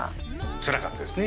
つらかったですね。